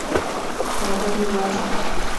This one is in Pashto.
څادر يې واچاوه.